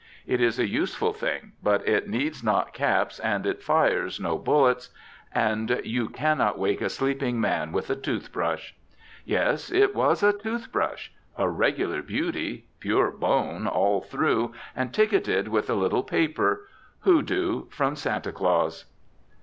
It is a useful thing, but it needs not caps and it fires no bullets, and you cannot wake a sleeping man with a tooth brush. Yes, it was a tooth brush a regular beauty, pure bone all through, and ticketed with a little paper, "Hoodoo, from Santa Claus."